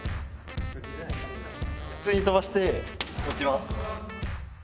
普通に飛ばして落ちます。